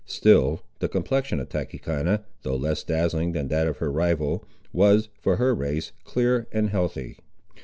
Still the complexion of Tachechana, though less dazzling than that of her rival, was, for her race, clear and healthy.